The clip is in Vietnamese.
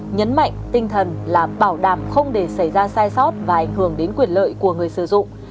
nhấn mạnh tinh thần là bảo đảm không để xảy ra sai sót và ảnh hưởng đến quyền lợi của người sử dụng